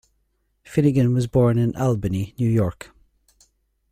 Finnegan was born in Albany, New York.